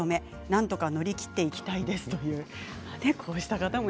なんとか乗り切っていきたいです。